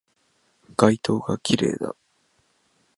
街灯が綺麗だ